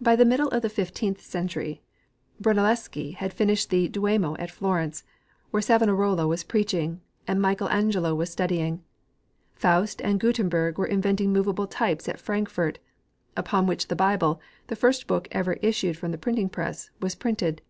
By the middle of the fifteenth century, Brunelleschi had fin ished the Duomo at Florence, where Savonarola was preaching and Michael Angelo was studying. Faust and Gutenberg were inventing movable types at Frankfort, upon which the Bible — the first book ever issued from the printing press — was printed.